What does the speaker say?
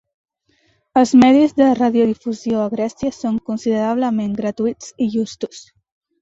Els medis de radiodifusió a Grècia són considerablement gratuïts i justos.